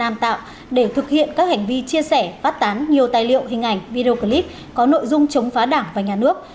nam tạo để thực hiện các hành vi chia sẻ phát tán nhiều tài liệu hình ảnh video clip có nội dung chống phá đảng và nhà nước